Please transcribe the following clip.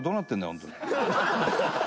ホントに。